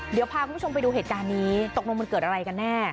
เดี๋ยวพาคุณผู้ชมไปดูเหตุการณ์นี้ตกลงมันเกิดอะไรกันแน่